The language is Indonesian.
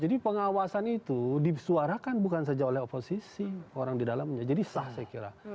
jadi pengawasan itu disuarakan bukan saja oleh oposisi orang di dalamnya jadi sah saya kira